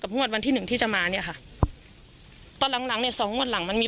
งวดวันที่หนึ่งที่จะมาเนี้ยค่ะตอนหลังหลังเนี้ยสองงวดหลังมันมี